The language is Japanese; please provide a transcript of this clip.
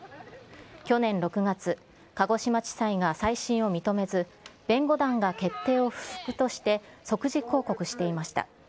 去年６月、鹿児島地裁が再審を認めず、弁護団が決定を不服として、即時抗告していました。